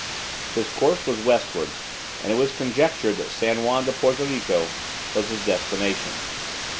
His course was westward, and it was conjectured that San Juan de Puerto Rico was his destination.